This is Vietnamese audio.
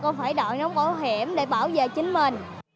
con phải đợi nó bảo hiểm để bảo vệ chính mình